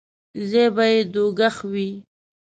ځای به یې دوږخ وي.